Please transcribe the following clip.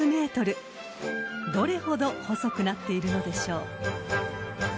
［どれほど細くなっているのでしょう］